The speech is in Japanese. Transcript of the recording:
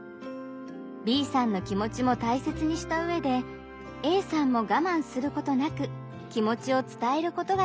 Ｂさんの気持ちも大切にした上でＡさんもがまんすることなく気持ちを伝えることができます。